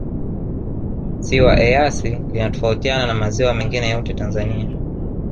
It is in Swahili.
ziwa eyasi linatofautiana na maziwa mengine yote tanzania